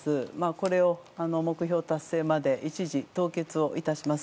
これを目標達成まで一時凍結をいたします。